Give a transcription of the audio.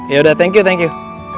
yaudah thank you thank you